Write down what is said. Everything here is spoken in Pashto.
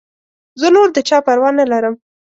زه نور د چا پروا نه لرم.